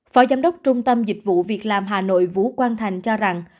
phó giám đốc trung tâm dịch vụ việc làm hà nội vũ quang thành cho rằng